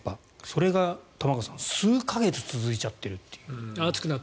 それが玉川さん数か月続いちゃってるっていう。